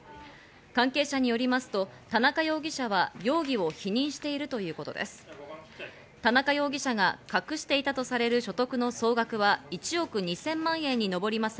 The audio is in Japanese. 関係者によりますと、田中容疑者は容疑を否認しているということです。